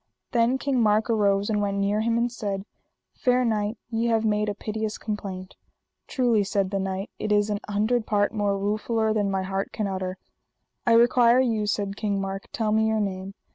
Then King Mark arose and went near him and said: Fair knight, ye have made a piteous complaint. Truly, said the knight, it is an hundred part more ruefuller than my heart can utter. I require you, said King Mark, tell me your name.